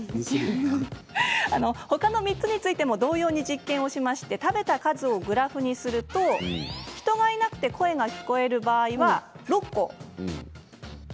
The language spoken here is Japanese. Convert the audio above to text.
ほかの３つについても同様に実験して食べた数をグラフにすると人がいなくて声が聞こえる場合は６個。